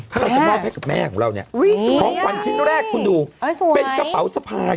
ถ้าเราจะมอบให้กับแม่ของเราเนี่ยของขวัญชิ้นแรกคุณดูเป็นกระเป๋าสะพาย